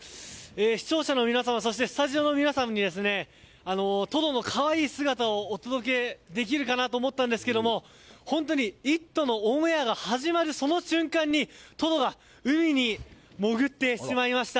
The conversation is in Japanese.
視聴者の皆さんそしてスタジオの皆さんにトドの可愛い姿をお届けできるかなと思ったんですけども本当に「イット！」のオンエアが始まるその瞬間にトドが海に潜ってしまいました。